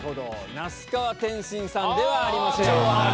那須川天心さんではありません。